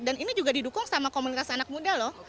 dan ini juga didukung sama komunitas anak muda lho